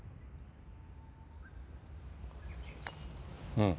うん。